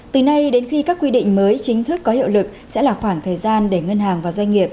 từ nay đến khi các quy định mới chính thức có hiệu lực sẽ là khoảng thời gian để ngân hàng và doanh nghiệp